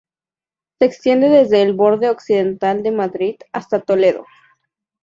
Se extiende desde el borde occidental de Madrid hasta Toledo.